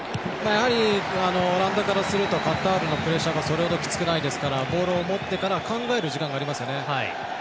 やはりオランダからするとカタールのプレッシャーがそれほどきつくないですからボールを持ってから考える時間がありますよね。